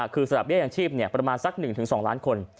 คือสละเบี้ยอย่างชีพประมาณสัก๑๒ล้านคน